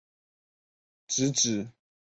直指封建官僚胥吏习性与官场黑暗腐败。